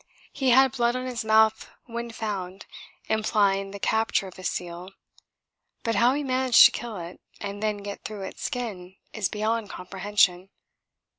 He had blood on his mouth when found, implying the capture of a seal, but how he managed to kill it and then get through its skin is beyond comprehension.